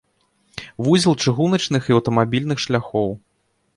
Вузел чыгуначных і аўтамабільных шляхоў.